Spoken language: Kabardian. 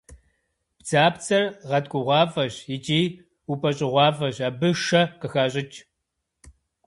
Бдзапцӏэр гъэткӏугъуафӏэщ икӏи упӏэщӏыгъуафӏэщ, абы шэ къыхащӏыкӏ.